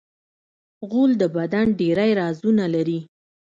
غول د بدن ډېری رازونه لري.